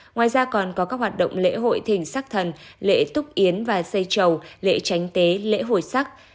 ngoài ra còn có các hoạt động lễ hội thỉnh sắc thần lễ túc yến và xây trầu lễ tránh tế lễ hội sắc